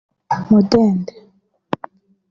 Mudende